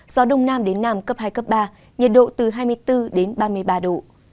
gió đông nam đến nam cấp hai ba nhiệt độ từ hai mươi bốn ba mươi ba độ